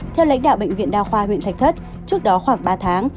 theo lãnh đạo bệnh viện đa khoa huyện thạch thất trước đó khoảng ba tháng